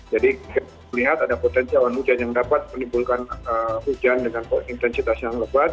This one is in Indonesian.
jadi kita lihat ada potensi awan hujan yang dapat menimbulkan hujan dengan intensitas yang lebat